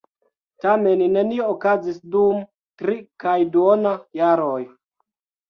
Tamen nenio okazis dum tri kaj duona jaroj.